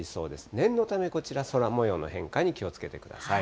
念のため、こちら、空もようの変化に気をつけてください。